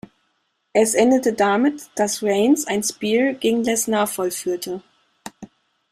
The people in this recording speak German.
Es endete damit, dass Reigns ein Spear gegen Lesnar vollführte.